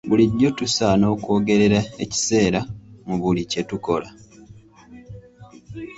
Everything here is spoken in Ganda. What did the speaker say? Bulijjo tusaana okwegerera ekiseera mu buli kye tukola.